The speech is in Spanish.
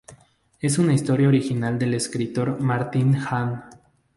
Es una historia original del escritor Martín Hahn.